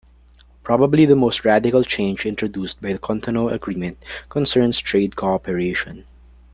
Probably the most radical change introduced by the Cotonou Agreement concerns trade cooperation.